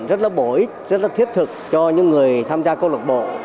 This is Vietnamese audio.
rất là bổ ích rất là thiết thực cho những người tham gia câu lạc bộ